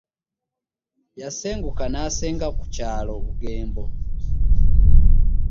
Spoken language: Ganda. Yasenguka n’asenga ku kyalo Bugembo.